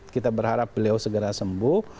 kita berharap beliau segera sembuh